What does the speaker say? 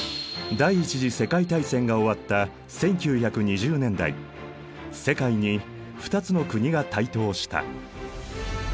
第一次世界大戦が終わった１９２０年代世界に２つの国が台頭した。